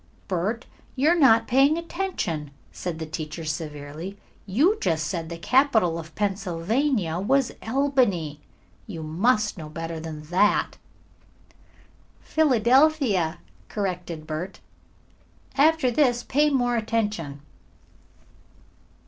"Bert, you are not paying attention," said the teacher severely. "You just said the capital of Pennsylvania was Albany. You must know better than that." "Philadelphia," corrected Bert. "After this pay more attention."